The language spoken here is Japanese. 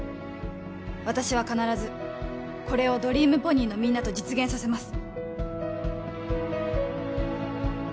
私は必ずこれをドリームポニーのみんなと実現させます